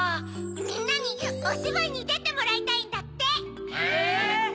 みんなにおしばいにでてもらいたいんだって。え！